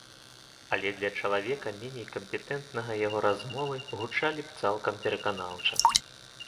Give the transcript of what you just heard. Але для чалавека меней кампетэнтнага яго размовы гучалі б цалкам пераканаўча.